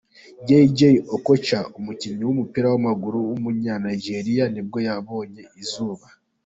Jay-Jay Okocha, umukinnyi w’umupira w’amaguru w’umunyanigeriya nibwo yabonye izuba.